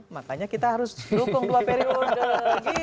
makanya kita harus dukung dua periode